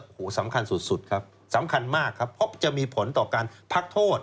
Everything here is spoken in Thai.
โอ้โหสำคัญสุดครับสำคัญมากครับเพราะจะมีผลต่อการพักโทษ